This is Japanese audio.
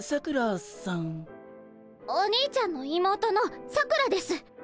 お兄ちゃんの妹のさくらです。